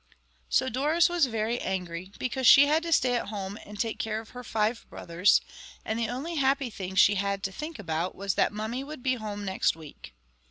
So Doris was very angry, because she had to stay at home and take care of her five brothers; and the only happy thing that she had to think about was that Mummy would be home next week.